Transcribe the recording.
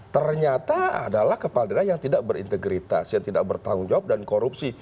ternyata adalah kepala daerah yang tidak berintegritas yang tidak bertanggung jawab dan korupsi